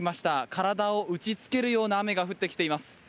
体を打ちつけるような雨が降ってきています。